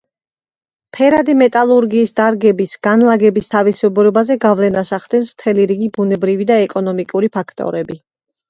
ფერადი მეტალურგიის დარგების განლაგების თავისებურებაზე გავლენას ახდენს მთელი რიგი ბუნებრივი და ეკონომიკური ფაქტორები.